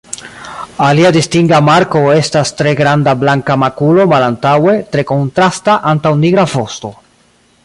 Alia distinga marko estas tre granda blanka makulo malantaŭe tre kontrasta antaŭ nigra vosto.